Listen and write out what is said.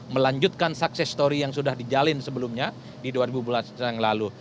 melanjutkan sukses story yang sudah dijalin sebelumnya di dua ribu yang lalu